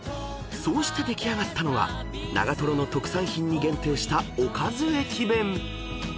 ［そうして出来上がったのは長瀞の特産品に限定したおかず駅弁］